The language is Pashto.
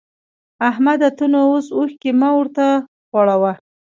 احمده! ته نو اوس اوښکی مه ورته غوړوه.